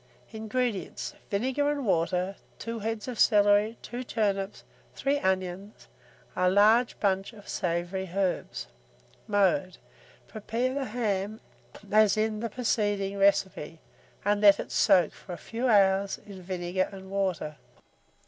INGREDIENTS. Vinegar and water, 2 heads of celery, 2 turnips, 3 onions, a large bunch of savoury herbs. Mode. Prepare the ham as in the preceding recipe, and let it soak for a few hours in vinegar and water.